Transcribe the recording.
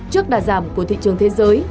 trước đà giảm của thị trường thế giới